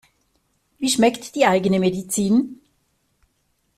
Wie schmeckt die eigene Medizin?